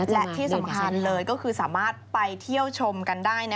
และที่สำคัญเลยก็คือสามารถไปเที่ยวชมกันได้